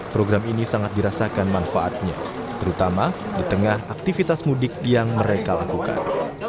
program ini sangat dirasakan manfaatnya terutama di tengah aktivitas mudik yang mereka lakukan